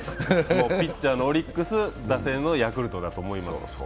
ピッチャーのオリックス、打線のヤクルトだと思います。